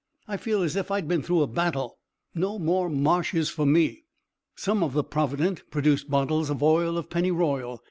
I feel as if I'd been through a battle. No more marshes for me." Some of the provident produced bottles of oil of pennyroyal.